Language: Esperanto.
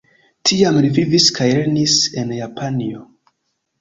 Tiam li vivis kaj lernis en Japanio.